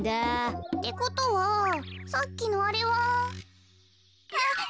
ってことはさっきのあれは。